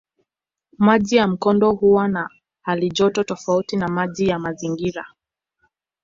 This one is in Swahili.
Maji ya mkondo huwa na halijoto tofauti na maji ya mazingira.